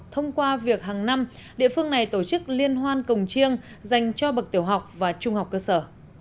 thông qua việc hàng năm địa phương này tổ chức liên hoan cổng chiêng dành cho bậc tiểu học và trung học cơ sở